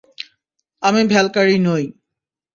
আমি ভ্যালকারি নই।